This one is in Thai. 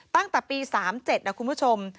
ตั้งแต่ปี๓๗นะคุณผู้ชม